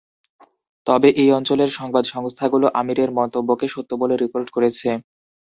তবে এই অঞ্চলের সংবাদ সংস্থাগুলো আমিরের মন্তব্যকে সত্য বলে রিপোর্ট করেছে।